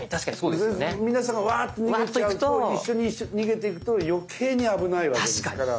皆さんがわっと逃げちゃうと一緒に逃げていくと余計に危ないわけですから。